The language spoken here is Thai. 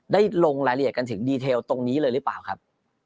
ลงรายละเอียดกันถึงดีเทลตรงนี้เลยหรือเปล่าครับ